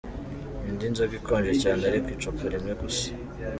Nywa indi nzoga ikonje cyane ariko icupa rimwe gusa.